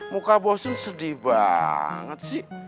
muka bosen sedih banget sih